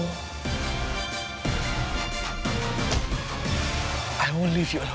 ฉันจะอยู่กับเธออีกแล้ว